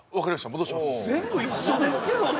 戻します全部一緒ですけどね